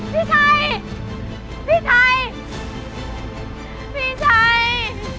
พี่ชัยพี่ชัยพี่ชัย